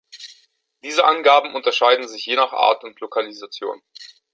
Diese Angaben unterscheiden sich je nach Art und Lokalisation.